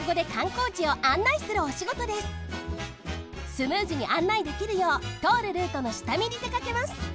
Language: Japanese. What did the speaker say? スムーズに案内できるようとおるルートのしたみにでかけます。